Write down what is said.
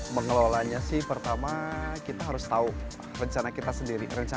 mengelolanya sih pertama kita harus tahu rencana kita sendiri